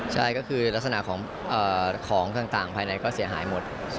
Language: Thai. ใช่ก็คือลักษณะของต่างภายในก็เสียหายหมด